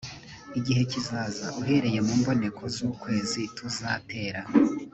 igihe kizaza uhereye mu mboneko z ukwezi tuzatera